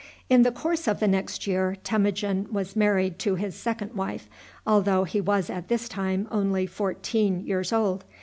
In the course of the next year Temujin was married to his second wife, although he was at this time only fourteen years old.